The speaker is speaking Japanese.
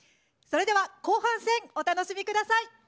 それでは後半戦お楽しみ下さい。